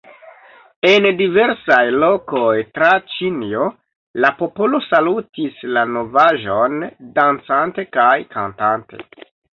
En diversaj lokoj tra Ĉinio la popolo salutis la novaĵon, dancante kaj kantante.